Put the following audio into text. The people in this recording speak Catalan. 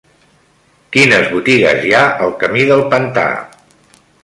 Quines botigues hi ha al camí del Pantà?